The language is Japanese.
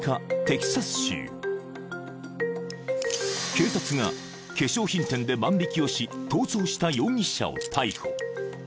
［警察が化粧品店で万引をし逃走した容疑者を逮捕］